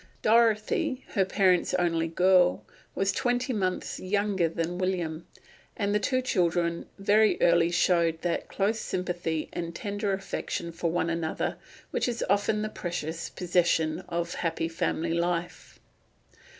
Dorothy, her parents' only girl, was twenty months younger than William, and the two children very early showed that close sympathy and tender affection for one another which is often the precious possession of happy family life.